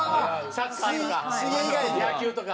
サッカーとか野球とか。